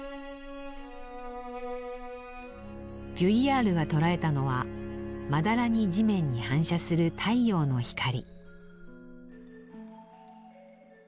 ヴュイヤールが捉えたのはまだらに地面に反射する太陽の光。